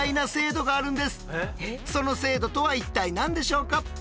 その制度とは一体何でしょうか？